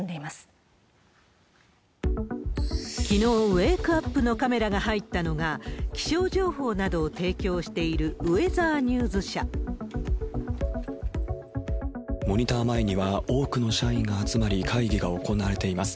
きのう、ウェークアップのカメラが入ったのが、気象情報などを提供しているウェザーニューズモニター前には多くの社員が集まり、会議が行われています。